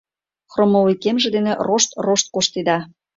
Хромовый кемже дене рошт-рошт коштеда.